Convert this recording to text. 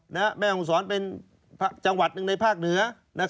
ที่เป็นจังหวัดหนึ่งในภาคเหนือ